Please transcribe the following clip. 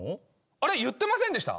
あれ言ってませんでした？